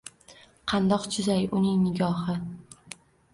Qandoq chizay uning nigohi